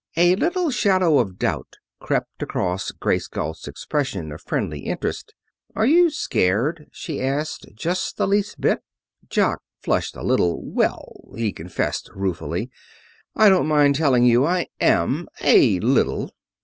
A little shadow of doubt crept across Grace Galt's expression of friendly interest. "Are you scared," she asked; "just the least bit?" Jock flushed a little. "Well," he confessed ruefully, "I don't mind telling you I am a little."